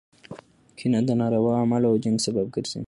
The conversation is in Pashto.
کینه د ناروا اعمالو او جنګ سبب ګرځي.